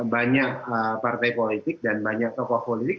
banyak partai politik dan banyak tokoh politik